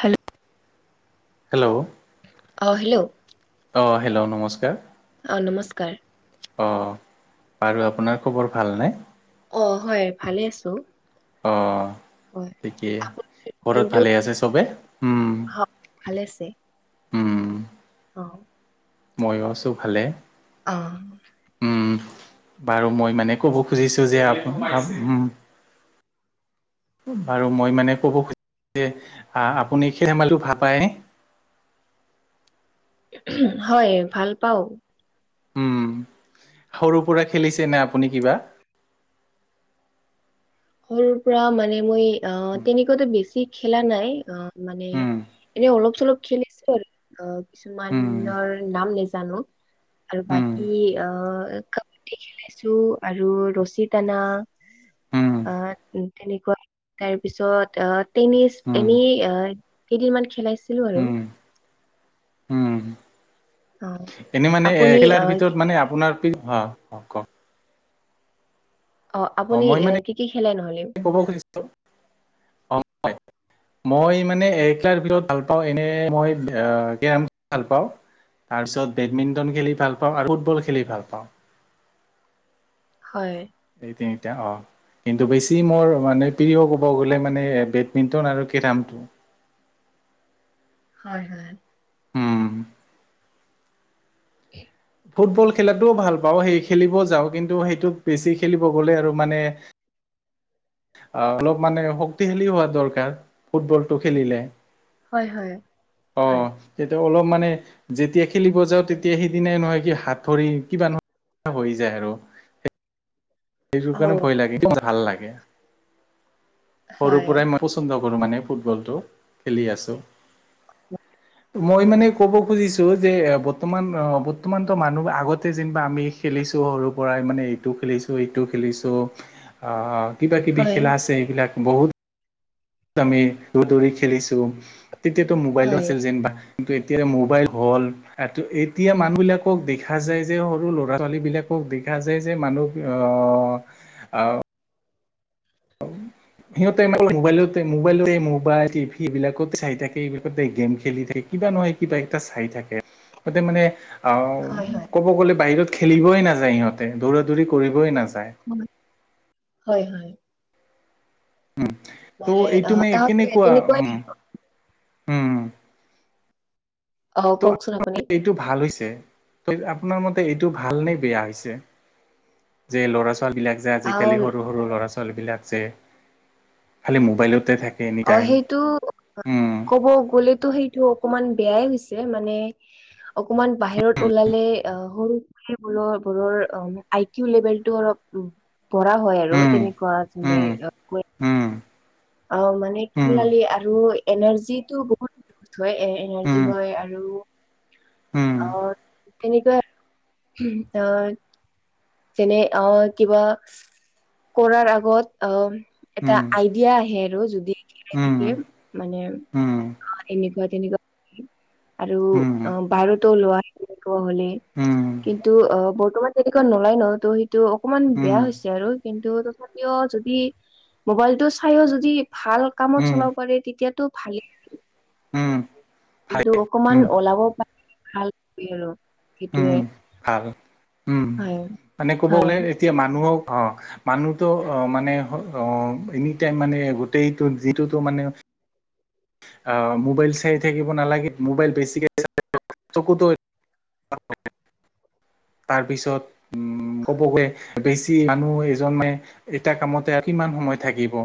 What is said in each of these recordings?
Hello! Hello! অঁ hello! অঁ, hello নমস্কাৰ। অ, নমস্কাৰ। অঁ', বাৰু আপোনাৰ খবৰ ভাল নে? অ হয়, ভালে আছো। অ হয়। ঠিকেই, ঘৰত কিন্তু ভালে আছে চবে? উম হয় ভালে আছে। উম। অ'। মইয়ো আছো ভালে। অহ। উম। বাৰু মই মানে ক'ব খুজিছো যে আ বাৰু মই মানে ক'ব খুজিছো যে আপুনি খেল ধেমালিটো ভাল পায় নে? হয়, ভাল পাও। উম, সৰু পৰা খেলিছে নে আপুনি কিবা? সৰুৰ পৰা মানে মই অ', তেনেকুৱাতো বেছি খেলা নাই অ' মানে উম এনে অলপ চলপ খেলিছো আৰু অ' উম কিছুমানৰ নাম জানো আৰু উম বাকী অ' হকী খেলিছো আৰু ৰছী টানা। উম। আ তেনেকুৱা তাৰপিছত আহ টেনিছ উম এনেই কেইদিনমান খেলাইছিলো আৰু। উম উম। অ এনে মানে আপুনি খেলাৰ আহ ভিতৰত মানে আপোনাৰ, অঁ কওক। অ আপুনি এ কি কি খেলে নহলে? ত' অ হয় মই মানে এ কাৰ ভিতৰত ভাল পাওঁ এনে মই গেমছ ভাল পাওঁ। তাৰপিছত বেডমিণ্টন খেলি ভাল পাওঁ, আৰু ফুটবল খেলি ভাল পাওঁ। হয়। এই তিনিটা অঁ। কিন্তু বেছি মোৰ মানে প্ৰিয় ক'ব গ'লে মানে বেডমিণ্টন আৰু কেৰামটো। হয় হয়। উম। [inaudible] ফুটবল খেলাটোও ভাল পাওঁ সেই খেলিব যাওঁ কিন্তু সেইটোক বেছি খেলিব গ'লে আৰু মানে অ অলপ মানে শক্তিশালী হোৱা দৰকাৰ ফুটবলটো খেলিলে। হয় হয়, অ হয়। তেতিয়া অলপ মানে যেতিয়া খেলিব যাওঁ তেতিয়া সিদিনাই নহয় কি হাত ভৰি কিবা নহয় হৈ যায় আৰু। এইবোৰ অ কাৰণে ভয় লাগে কিন্তু ভাল লাগে। সৰুৰ হয় পৰাই মই পচন্দ কৰোঁ মানে ফুটবলটো, খেলি আছোঁ। [inaudible] মই মানে ক'ব খুজিছো যে বৰ্তমান অ', বৰ্তমানতো মানুহ আগতে যেনিবা আমি খেলিছো সৰুৰ পৰাই মানে এইটো খেলিছো, সেইটো খেলিছোঁ অ', কিবা-কিবি হয় খেলা আছে এইবিলাক বহুত আমি দদোৰি খেলিছো, তেতিয়াতো মোবাইলো হয় আছিল যেনিবা। কিন্তু এতিয়া মোবাইল হ'ল। আৰু এতিয়া মানুহ বিলাকক দেখা যায় যে সৰু ল'ৰা-ছোৱালী বিলাকক দেখা যায় যে মানুহ অ', আও [inaudible] সিহঁতে মানে মোবাইলতে, মোবাইলতে মোবাইল, টিভি এইবিলাকত চাই থাকে এইবিলাক গেম খেলি থাকে। কিবা নহয় কিবা একটা চাই থাকে, সিহঁ‌তে মানে অ', হয় হয়। ক'ব গ'লে বাহিৰত খেলিবই নাযায় সিহঁতে দৌৰা-দৌৰি কৰিবই নাযায়। উম, হয় হয়। উম, ত' মানে অ এইটো মে তাহতে কেনেকুৱা? তেনেকুৱাই উম, উম,। অ', ত' কওকচোন আপুনি। এইটো ভাল হৈছে, ত' আপোনাৰ মতে এইটো ভালনে বেয়া হৈছে- যে ল'ৰা-ছোৱালী বিলাক যে অ আজি কালি সৰু সৰু ল'ৰা-ছোৱালী বিলাক যে খালি মোবাইলতে থাকে। এনি অ', টাইম সেইটো উম ক'ব গ'লেতো সেইটো অকমান বেয়াই হৈছে, মানে অকমান বাহিৰত ওলালে আহ সৰু সেই বোৰৰ বোৰৰ আই কিউ লেভেলটো অলপ উম,। পঢ়া হয় আৰু উম তেনেকুৱা উম [unintelligible] উম অ', মানে উম খেলালি আৰু এনাৰ্জিটো বহুত থোয়ে এ এনাৰ্জি উম হয় আৰু উম উম অ', তেনেকুৱা উম, ত যেনে অ', কিবা কৰাৰ আগত অ' এটা উম আইডিয়া আহে আৰু যদি উম উম থাকে মানে এনেকুৱা তেনেকুৱা আৰু অ', বাৰতো ওলোৱা তেনেকুৱা হলে উম কিন্তু অ', বৰ্তমান তেনেকুৱা ন'লাই নহয় ত' সেই তু অকমান বেয়া উম হৈছে আৰু কিন্তু তথাপিও যদি মোবাইলটো চাইও যদি ভাল কামত চলাব উম পাৰে তেতিয়াতো ভালেই আৰু। উম কিন্তু ভালে অকমান উম ওলাব পাৰে ভাল টোৱে আৰু উম সেইটোয়ে। ভাল, উম, মানে ক'ব হয় গ'লে এতিয়া মানুহক অ'। মানুহতো অ', মানে অ', এনিটাইম মানে গোটেইটো যিটোতো মানে অ', মোবাইল চাই থাকিব নালাগে মোবাইল বেছিকে চকুটো [unintelligible] তাৰ পিছত উম, ক'ব গে বেছি মানুহ এজনে এটা কামতে কিমান সময় থাকিব?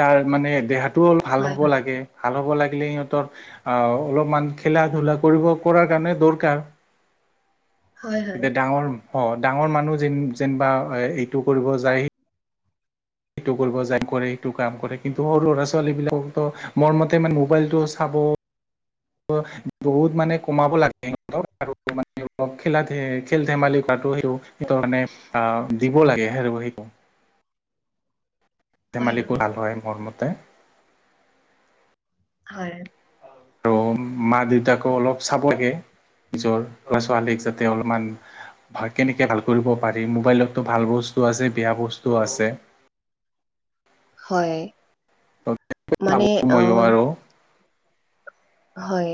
তাৰ মানে দেহাত টোও ভাল হয় হ'ব লাগে, ভাল হ'ব লাগিলে সিহঁতৰ অ', অলপমান খেলা ধূলা কৰিব কৰাৰ কাৰণে দৰকাৰ। হয় হয় এতিয়া ডাঙৰ অ ডাঙৰ মানুহ যে যেনবা এইটো কৰিব যায়। সেটো কৰিব যায় কৰে সেটো কাম কৰে, কিন্তু সৰু সৰা ছোৱালী বিলাককতো মোৰ মতে মানে মোবাইলটো চাব বহুত মানে কমাব লাগে সিহঁতৰ আৰু মানে অ খেলাতে খেল ধেমালি পাতো সেটো সেইটোৰ মানে অ দিব লাগে সেই সেইটো। খেল হয় হয় ধেমালিটো ভাল হয় মোৰ মতে। হয় আৰু মা দেউতাকো অলপ চাব লাগে নিজৰ ল'ৰা ছোৱালীক যাতে অলপমান হয় কেনেকে ভাল কৰিব পাৰি মোবাইলতো ভাল বস্তু আছে বেয়া বস্তুও আছে। হয় তেনেকে মানে ভাবোঁ আৰু অ মইয়ো আৰু। হয়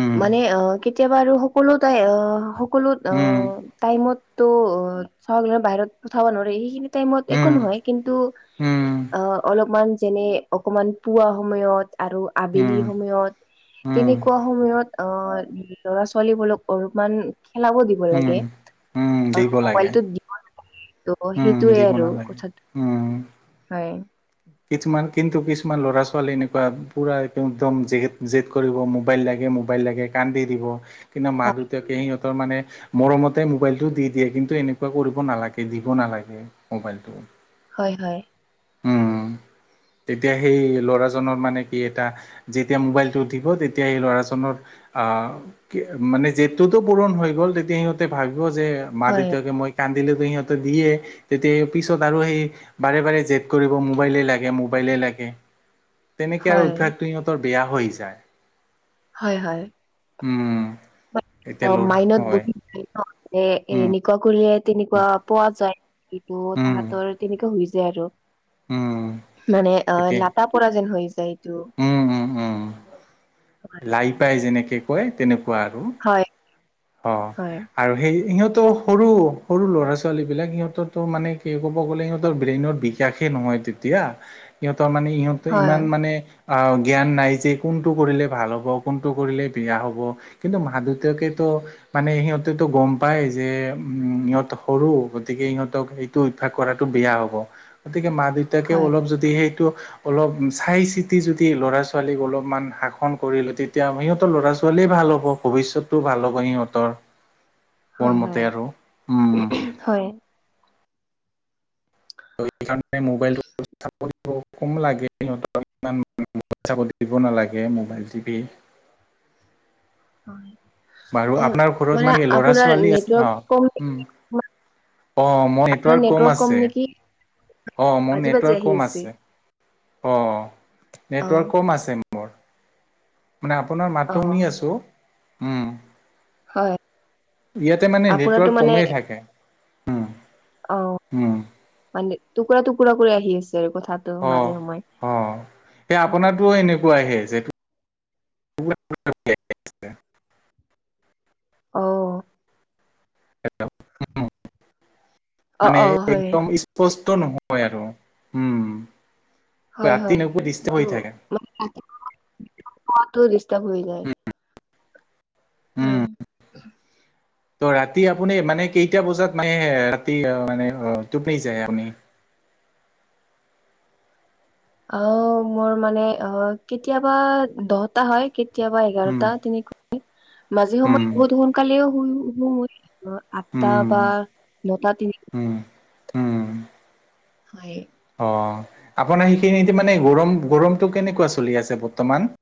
উম মানে অ কেতিয়াবা আৰু সকলো তাই অ সকলোত অ উম টাইমতো চবে ধৰ বাহিৰত পঠাব নোৱাৰে সেইখিনি টাইমত উম একো নহয়, কিন্তু উম অ অলপমান যেনে অকণমান পুৱা সময়ত আৰু উম আবেলিৰ সময়ত উম তেনেকুৱা সময়ত অ ল'ৰা ছোৱালী বিলাকক অলপমান খেলাব দিব উম লাগে। উম অ দিব লাগে। মোবাইলটোত দি ত' উম সেইটোয়ে দিব আৰু নালাগে কথাটো উম। হয় কিছুমান কিন্তু কিছুমান ল'ৰা ছোৱালী এনেকুৱা পুৰা একদম জে দ কৰিব মোবাইল লাগে মোবাইল লাগে কান্দি দিব। কিন্তু মা হয় দেউতাকে সিহঁতৰ মানে মৰমতে মোবাইলটো দি দিয়ে কিন্তু এনেকুৱা কৰিব নালাগে। দি দিব নালাগে মোবাইলটো। হয় হয়। উম তেতিয়া সেই ল'ৰাজনৰ মানে কি এটা যেতিয়া মোবাইলটো উঠিব তেতিয়া সেই ল'ৰাজনৰ আহ মানে জেদটোতো পূৰণ হৈ গ'ল তেতিয়া সিহঁতে ভাবিব যে মা হয় দেউতাকে মই কান্দিলেতো সিহঁত দিয়ে তেতিয়া পিছত আৰু সেই বাৰে বাৰে জেদ কৰিব মোবাইলে লাগে মোবাইলে লাগে। [unintelligible] তেনেকে আৰু অভ্যাসটো সিহঁতৰ বেয়া হৈ যায়। হয় হয়। উম অ এতিয়া ল'ৰা মাইনত হয়। বহি দিয়ে ন। এ উম, এনেকুৱা কৰিলে দে তেনেকুৱা পোৱা যায় যিতো উম, তাহাঁত ধৰ তেনেকুৱা হৈ যায় আৰু উম, মানে অ এতিয়া লাটা পৰা যেন হৈ যায়। এইটো উম উম উম। হয় প্ৰায় যেনেকৈ কয় তেনেকুৱা আৰু। হয় অ হয় আৰু সেই সিহঁতৰ সৰু সৰু ল'ৰা ছোৱালীবিলাক সিহঁতৰটো মানে কি ক'ব গ'লে সিহঁতৰ ব্ৰেইনত বি কাশে নহয় তেতিয়া সিহঁতৰ মানে ইিহঁতৰ হয় ইমান মানে জ্ঞান নাই যে কোনটো কৰিলে ভাল হ'ব কোনটো কৰিলে বেয়া হ'ব কিন্তু মা দেউতাকে মানে সিহঁতেটো গম পাই যে উম ইহঁত সৰু গতিকে ইহঁতক টো অভ্যাস কৰাটো বেয়া হব গতিকে মা দেউতাকে অলপ যদি সেইটো অলপ চাই চিতি যদি ল'ৰা ছোৱালীক অলপমান শাসন কৰিলে তেতিয়া সিহঁতৰ ল'ৰা ছোৱালীয়ে ভাল হ'ব। ভৱিষ্যতটো ভাল হ'ব সিহঁতৰ হয় মোৰ হয় মতে আৰু ওমম। হয় ত এইকাৰণে মোবাইলটো কম লাগে সিহঁত ইমান পইচা পাতি দিব নালাগে মোবাইল টিভি [inaudible] বাৰু অ আপোনাৰ ঘৰত মানে ল'ৰা আপোনাৰ ছোৱালী আছে নেটৱৰ্ক কম অ' উম অ' মোৰ নেটৱৰ্ক কম আছে অ' মোৰ বাজি বাজি নেটৱৰ্ক আহি কম আছে অ' অ নেটৱৰ্ক কম আছে মোৰ মানে আপোনাৰ অ মাতটো শুনি আছোঁ উম হয় ইয়াতে মানে আপোনাৰতো নেটৱৰ্ক মানে কমেই থাকে উম অ উম মানে টুকুৰা টুকুৰা কৰি আহি আছে কথাটো অ মাজে সময়ে অ এই আপোনাৰটো এনেকুৱাহে যে অ অ মানে অ হয় একদম স্পষ্ট নহয় আৰু উম ৰাতি নপা ডিষ্টাৰ্ব হৈ থাকে। পঢ়াতো ডিষ্টাৰ্ব হৈ যায়। উম হয় ত ৰাতি আপুনি মানে কেইটা বজাত মানে ৰাতি মানে টোপনি যায় আপুনি অ' মোৰ মানে অ কেতিয়াবা দহটা হয় কেতিয়াবা উম এঘাৰটা তেনে মাজে সময়ে উম বহুত সোনকালেও শুও আঠটা উম বা নটা তিনি উম উম হয় অ' আপোনাৰ সেইখিনি এতিয়া মানে গৰম গৰমটো কেনেকুৱা চলি আছে বৰ্তমান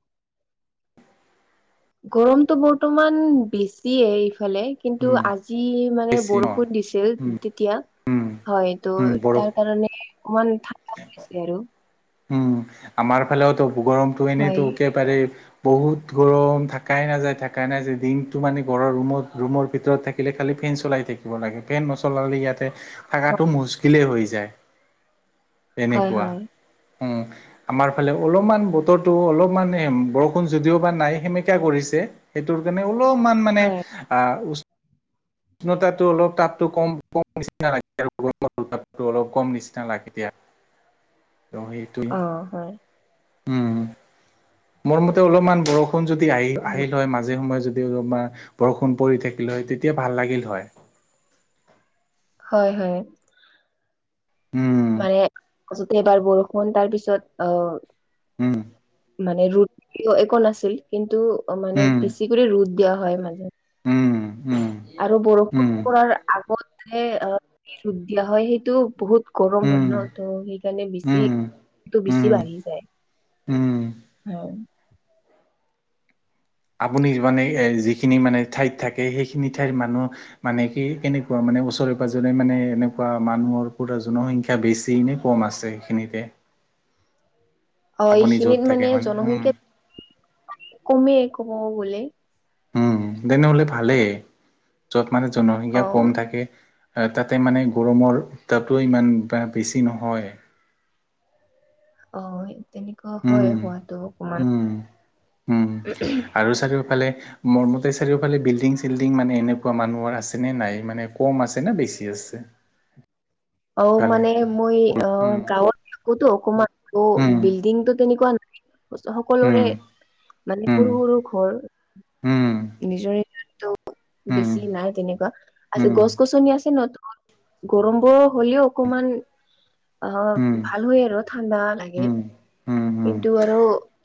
গৰমটো বৰ্তমান বেছিয়ে এইফালে কিন্তু উম আজি মানে বেছি ন বৰষুণ দিছিল তেতিয়া হয় উম তোৰ তাৰ বৰষুণ কাৰণে অকমান ঠাণ্ডা হৈ যায় আৰু উম আমাৰ ফালেওতো গৰমটো এনেইতো হয়। একেবাৰে বহুত গৰম থাকাই নাযায় থাকাই নাযায় দিনটো মানে ঘৰৰ ৰুমত ৰুমৰ ভিতৰত থাকে থাকিলে খালি ফেন চলাই থাকিব লাগে ফেন নচলালে ইয়াত থকাটো মুসকিলেই হৈ যায় হয়, তেনেকুৱা হয়, উম, [inaudible] আমাৰ ফালে অলপমান বতৰটো অলপমান বৰষুণ যদিও বা নাই সেমেকায়া কৰিছে সেইটোৰ কাৰণে অলপমান মানে হয়, আহ উষ্ণতাটো অলপ তাপটো কম কম নিচিনা লাগে আৰু অলপ কম নিচিনা লাগে দিয়া [inaudible] অ সেইটোৱে অ', হয়, মোৰমতে অলপমান বৰষুণ যদি আহি উম, আহিল হয় মাজে সময়ে যদি অলপমান বৰষুণ পৰি থাকিলে হয় তেতিয়া ভাল লাগিল হয় হয় হয় উম মানে যতে এবাৰ বৰষুণ তাৰপিছত আহ উম মানে ৰ'দ একো নাছিল কিন্তু মানে উম বেছিক কৰি ৰ'দ দিয়া হয় মাজত উম উম আৰু বৰষুণ উম পৰাৰ আগত যে ৰ'দ দিয়া হয় সেইটো বহুত গৰম হয় ন উম ত' সেইকাৰণে বেছি উম এটো উম বেছি বাঢ়ি যায়। উম' অঁম' আপুনি মানে যিখিনি মানে ঠাইত থাকে সেইখিনি ঠাইৰ মানুহ- মানে কি কেনেকুৱা মানে ওচৰে পাজৰে মানে এনেকুৱা মানুহৰ পুৰা জনসংখ্যা- ক্ষা বেছি নে কম আছে এইখিনিতে? অ য'ত এইখিনিত থাকে মানে উম জনসংখ্যা কমেই কব গলে। উম' তেনেহলে ভালেই যত মানে জনসংখ্যা কম অ', থাকে। তাতে মানে গৰমৰ উত্তাপটো ইমান বেছি নহয়। অ' তেনেকুৱা হয় উম হোৱাতটো উম উম অকমান- আৰু চাৰিওফালে- মোৰমতে চাৰিওফালে বিল্ডিং চিল্ডিং মানে এনেকুৱা মানুহৰ আছেনে নাই মানে কম আছে নে বেছি আছে। [inaudible] অ' ভালে মানে মই অ উম গাঁৱত থাকোতো অকমান অ উম বিল্ডিং টো তেনেকুৱা নাই। ওচ উম সকলোৰে মানে সৰু সৰু ঘৰ। উম নিজৰেইটো- উম বেছি নাই তেনেকুৱা, উম আজি উম গছ গছনি আছে নতুন গৰম বোৰ- হলেও অকমান অ উম ভাল হয় আৰু ঠাণ্ডা লাগে। উম উম কিন্তু আৰু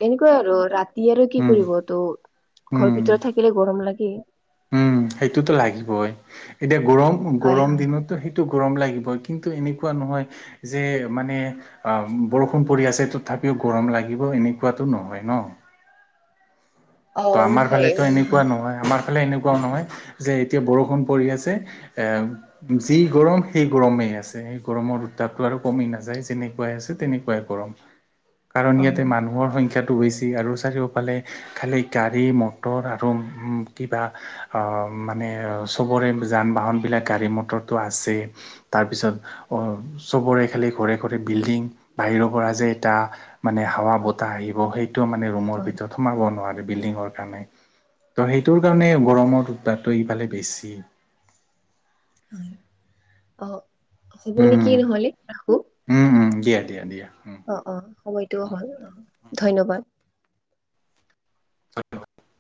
তেনেকুৱাই আৰু ৰাতি আৰু উম কি উম কৰিব ত'- ঘৰ উম ভিতৰত থাকিলে গৰম লাগেই। উম' সেইটোতো লাগিবই এতিয়া গৰম হয় গৰম হয় দিনতো সেইট- টো গৰম লাগিবই, কিন্তু এনেকুৱা নহয় যে মানে- বৰষুণ পৰি আছে ত তথাপিও গৰম লাগিব এনেকুৱাতো নহয় ন। অ ত' আমাৰ নহয় ফালেতো ইমান এনেকুৱা নহয় আমাৰ ফালে এনেকুৱাও নহয় যে এতিয়া বৰষুণ পৰি আছে- এম- যি গৰম সেই গৰমেই আছে সেই গৰমৰ উত্তাপটো আৰু কমি নাযায় যেনেকুৱাই আছে তেনেকুৱাই গৰম। [inaudible] কাৰণ ইয়াতে মানুহৰ সংখ্যাটো বেছি আৰু চাৰিওফালে খালী- গাড়ী মটৰ আৰু কিবা- অঁহ মানে চবৰে যান বাহন বিলাক গাড়ী মটৰটো আছেই। তাৰপিছত চবৰে খালি ঘৰে ঘৰে বিল্ডিং, বাহিৰৰ পৰা যে এটা- মানে হাৱা হয় বতাহ আহিব সেই- টো মানে ৰুমৰ হয় ভিতৰত সোমাব নোৱাৰে বিল্ডিঙৰ কাৰণে ত' সেইটোৰ কাৰণে হয় গৰমৰ- তাটো এইফালে বেছি। অ' হ'ব উম নেকি নহলে ৰাখো। উম উম' দিয়া দিয়া দিয়া, উম'। অ অ' সময়টোও হ'ল অঁ, ধন্যবাদ। [unintelligible]